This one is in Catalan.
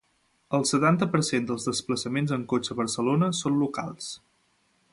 El setanta per cent dels desplaçaments en cotxe a Barcelona són locals.